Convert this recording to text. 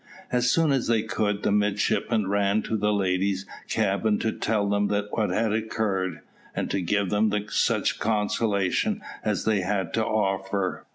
As soon as they could, the midshipmen ran to the ladies' cabin to tell them what had occurred, and to give them such consolation as they had to offer.